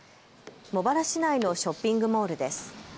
茂原市内のショッピングモールです。